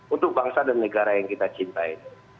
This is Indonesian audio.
untuk bangsa dan negara yang kita cintai